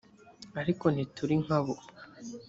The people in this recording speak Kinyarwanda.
ariko ntituri nka bo